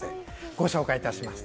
ご紹介いたします。